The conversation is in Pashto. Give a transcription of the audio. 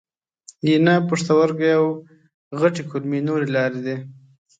ینه، پښتورګي او غټې کولمې نورې لارې دي.